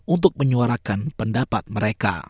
untuk menyuarakan pendapat mereka